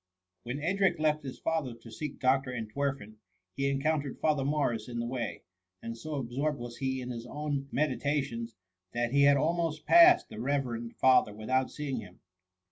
When Edric left his father to seek Dr. Ent werfen, he encountered Father Morris in the way ; and so absorbed was he in his own medi * tations that he had almost passed the reverend father without seeing him.